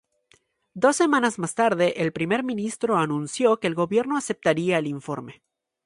Dos semanas más tarde el primer ministro anunció que el gobierno aceptaría el informe.